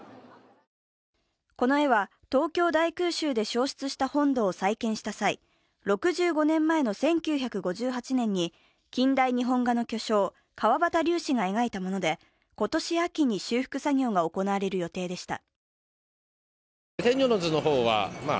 この絵は、東京大空襲で焼失した本堂を再建した際、６５年前の１９５８年に近代日本画の巨匠、川端龍子が描いたもので、今年秋に修復作業が行われる予定でした。